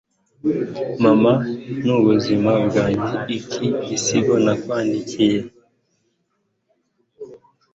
mama nubuzima bwanjye, iki gisigo nakwandikiye